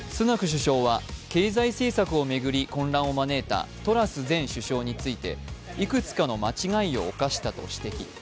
首相は、経済政策を巡り混乱を招いたトラス前首相についていくつかの間違いをおかしたと指摘。